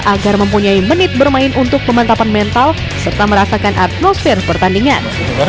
agar mempunyai menit bermain untuk pemantapan mental serta merasakan atmosfer pertandingan